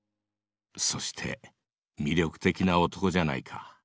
そして魅力的な男じゃないか。